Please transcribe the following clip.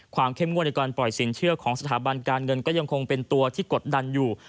เข้มงวดในการปล่อยสินเชื่อของสถาบันการเงินก็ยังคงเป็นตัวที่กดดันอยู่